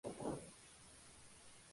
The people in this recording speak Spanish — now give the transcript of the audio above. Ella es fiel a una farsa.